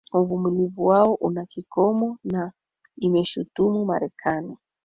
uvumilivu wao una kikomo na imeshutumu marekani